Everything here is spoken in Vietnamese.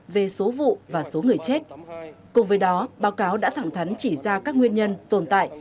về số vụ và số người chết cùng với đó báo cáo đã thẳng thắn chỉ ra các nguyên nhân tồn tại